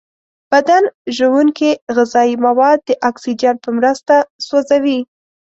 بدن ژونکې غذایي مواد د اکسیجن په مرسته سوځوي.